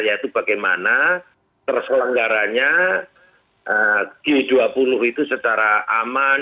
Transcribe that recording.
yaitu bagaimana terselenggaranya g dua puluh itu secara aman